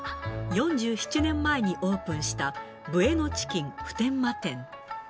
４７年前にオープンした、ブエノチキン普天間店。